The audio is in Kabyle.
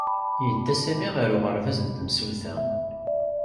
Yedda Sami ɣer uɣerbaz n temsulta